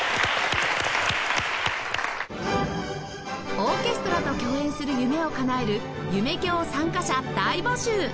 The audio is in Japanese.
オーケストラと共演する夢をかなえる「夢響」参加者大募集